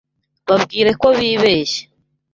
Babwire ko bibeshye.